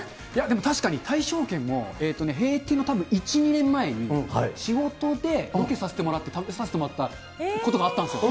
確かに大勝軒も閉店のたぶん１、２年前に仕事でロケさせてもらって、食べさせてもらったことがあったんですよ。